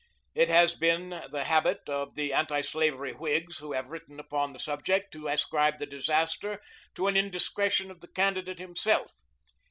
It has been the habit of the antislavery Whigs who have written upon the subject to ascribe the disaster to an indiscretion of the candidate himself.